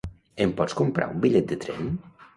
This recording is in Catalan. Em pots comprar un bitllet de tren?